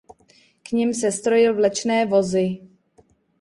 K nim sestrojil vlečné vozy.